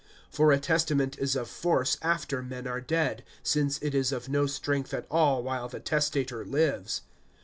(17)For a testament is of force after men are dead; since it is of no strength at all while the testator lives.